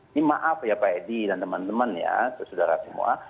ini maaf ya pak edi dan teman teman ya saudara semua